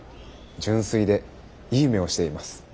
純粋でいい目をしています。